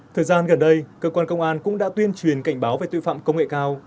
thời gian gần đây cơ quan công an cũng đã tuyên truyền cảnh báo về tội phạm công nghệ cao